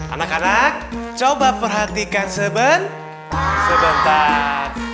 anak anak coba perhatikan seven sebentar